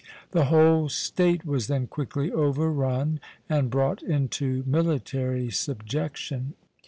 The whole State was then quickly overrun and brought into military subjection.